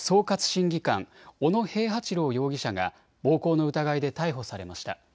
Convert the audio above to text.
審議官、小野平八郎容疑者が暴行の疑いで逮捕されました。